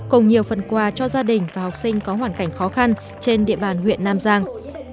cùng nhiều phần quà cho gia đình và học sinh có hoàn cảnh khó khăn trên địa bàn huyện nam giang